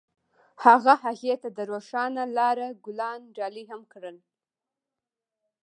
هغه هغې ته د روښانه لاره ګلان ډالۍ هم کړل.